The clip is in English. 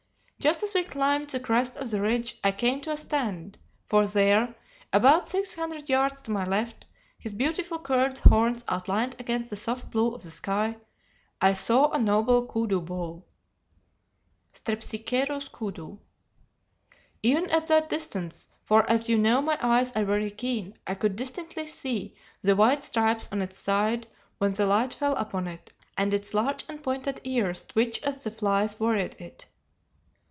Just as we climbed the crest of the ridge I came to a stand, for there, about six hundred yards to my left, his beautiful curved horns outlined against the soft blue of the sky, I saw a noble koodoo bull (Strepsiceros kudu). Even at that distance, for as you know my eyes are very keen, I could distinctly see the white stripes on its side when the light fell upon it, and its large and pointed ears twitch as the flies worried it.